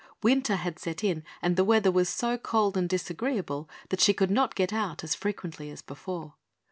Winter had suddenly set in and the weather was so cold and disagreeable that she could not get out as frequently as before.